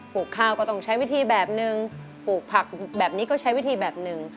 ลูกข้าวก็ต้องใช้วิธีแบบนึงปลูกผักแบบนี้ก็ใช้วิธีแบบหนึ่ง